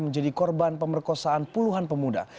menjadi korban pemerkosaan puluhan pemuda